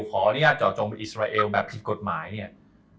ขออนุญาตจอดจงกับอิสราเอลแบบผิดกฎหมายเห็นมั้ย